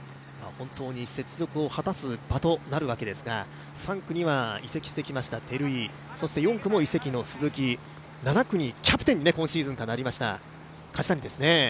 雪辱を果たす場となるわけですが、３区には移籍してきました照井そして４区も移籍の鈴木７区にキャプテンに今シーズンからなりました梶谷ですね。